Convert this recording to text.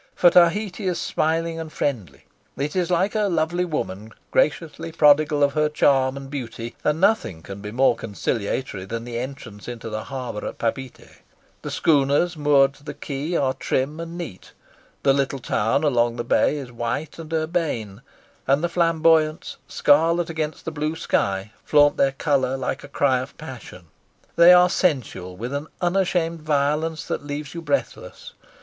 For Tahiti is smiling and friendly; it is like a lovely woman graciously prodigal of her charm and beauty; and nothing can be more conciliatory than the entrance into the harbour at Papeete. The schooners moored to the quay are trim and neat, the little town along the bay is white and urbane, and the flamboyants, scarlet against the blue sky, flaunt their colour like a cry of passion. They are sensual with an unashamed violence that leaves you breathless.